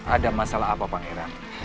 ada masalah apa pangeran